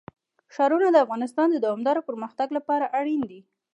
ښارونه د افغانستان د دوامداره پرمختګ لپاره اړین دي.